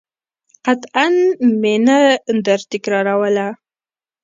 قطعاً مې نه درتکراروله.